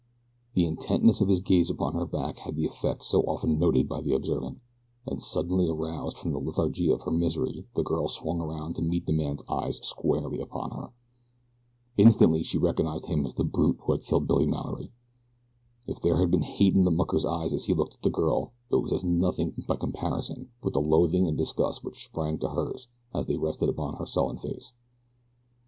The intentness of his gaze upon her back had the effect so often noted by the observant, and suddenly aroused from the lethargy of her misery the girl swung around to meet the man's eyes squarely upon her. Instantly she recognized him as the brute who had killed Billy Mallory. If there had been hate in the mucker's eyes as he looked at the girl, it was as nothing by comparison with the loathing and disgust which sprang to hers as they rested upon his sullen face.